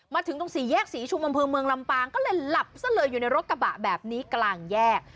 มาถึงตรงสี่แยกศรีชุมอำเภอเมืองลำปางก็เลยหลับซะเลยอยู่ในรถกระบะแบบนี้กลางแยก